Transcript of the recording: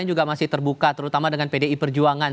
juga masih terbuka terutama dengan pdi perjuangan